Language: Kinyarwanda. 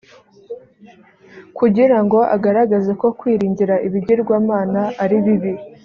kugira ngo agaragaze ko kwiringira ibigirwamana ari bibi